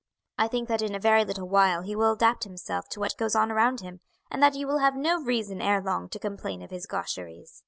I think that in a very little while he will adapt himself to what goes on around him, and that you will have no reason ere long to complain of his gaucheries."